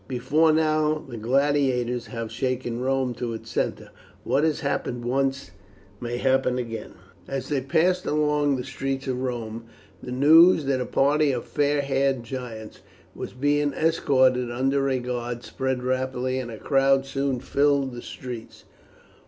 Before now the gladiators have shaken Rome to its centre. What has happened once may happen again." As they passed along the streets of Rome the news that a party of fair haired giants were being escorted under a guard spread rapidly, and a crowd soon filled the streets.